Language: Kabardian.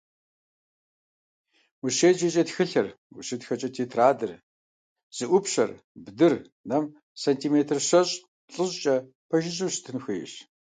УщеджэкӀэ тхылъыр, ущытхэкӀэ тетрадыр, зэӀупщэр, бдыр нэм сантиметр щэщӀ—плӀыщӀкӀэ пэжыжьэу щытын хуейщ.